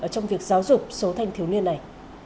trong việc giáo dục số thanh thiếu niên này